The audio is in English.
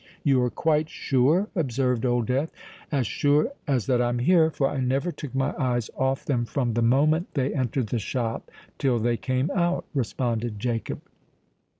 "You are quite sure?" observed Old Death. "As sure as that I'm here; for I never took my eyes off them from the moment they entered the shop till they came out," responded Jacob.